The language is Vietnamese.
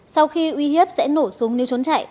sau khi uy hiếp sẽ nổ súng nếu trốn chạy